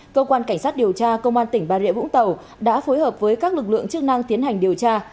cơ quan cảnh sát điều tra công an tỉnh bà rịa vũng tàu đã phối hợp với các lực lượng chức năng tiến hành điều tra